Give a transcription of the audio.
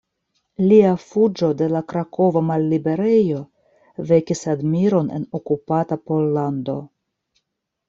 Lia fuĝo de la krakova malliberejo vekis admiron en okupata Pollando.